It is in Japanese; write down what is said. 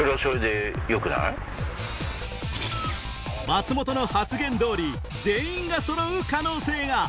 ⁉松本の発言通り全員が揃う可能性が！